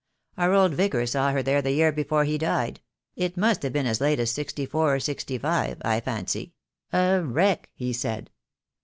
Our old Vicar saw her there the year before he died — it must have been as late as sixty four or sixty five, I fancy — a wreck, he said.